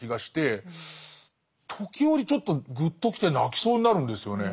その理屈で言うと時折ちょっとぐっときて泣きそうになるんですよね。